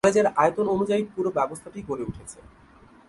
কলেজের আয়তন অনুযায়ী পুরো ব্যবস্থাটি গড়ে উঠেছে।